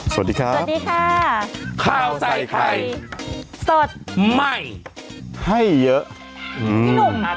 สวัสดีครับสวัสดีค่ะข้าวใส่ไข่สดใหม่ให้เยอะอืม